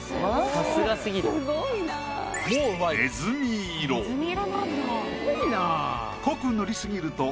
さすがすぎる。